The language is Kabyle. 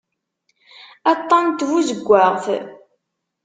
Aṭṭan n tbuzeggaɣt.